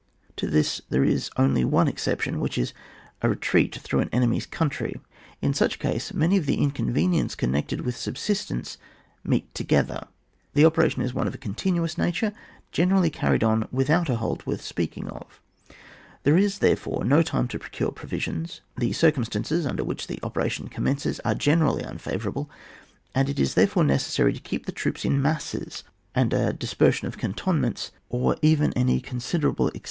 To this there is only one exception, which is a retreat through an enemy's coimtiy. In such a case many of the inconveniences connected with subsistence meet together. The operation is one of a continuous nature, generally carried on without a halt worth spea^ng of ; there is, there fore, no time to procure provisions ; the circimistajices under whicSi the operation commences are generally unfavourable, it is therefore necessary to keep the troops in masses, and a dispersion in can tonments, or even any considerable ex* OHAP.